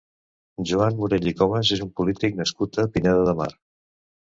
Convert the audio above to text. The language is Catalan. Joan Morell i Comas és un polític nascut a Pineda de Mar.